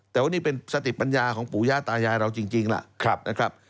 แต่ว่านี่เป็นสติปัญญาของปู่ย่าตายายเราจริงล่ะนะครับ